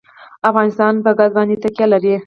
افغانستان په ګاز باندې تکیه لري.